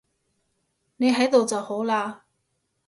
你喺度就好喇